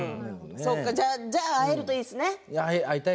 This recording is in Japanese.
じゃあ会えるといいですね。